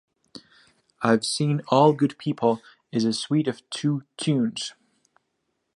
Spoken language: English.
"I've Seen All Good People" is a suite of two tunes.